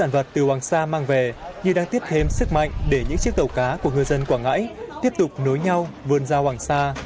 hoàng sa mang về như đang tiếp thêm sức mạnh để những chiếc tàu cá của ngư dân quảng ngãi tiếp tục nối nhau vươn ra hoàng sa